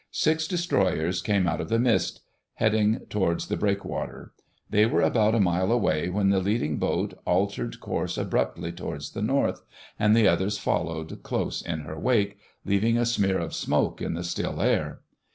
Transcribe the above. Six Destroyers came out of the mist, heading towards the breakwater. They were about a mile away when the leading boat altered course abruptly towards the North, and the others followed close in her wake, leaving a smear of smoke in the still air.